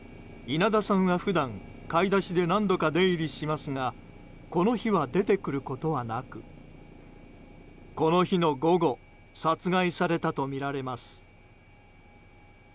稲田さんは普段買い出しで何度か出入りしますがこの日は出てくることはなくこの日の午後殺害されたとみられます。